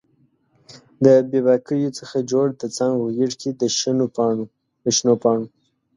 د بې باکیو څخه جوړ د څانګو غیږ کې د شنو پاڼو